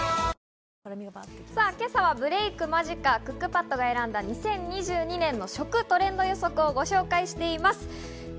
今朝はブレイク間近、クックパッドが選んだ２０２２年の食トレンド予測をご紹介しています。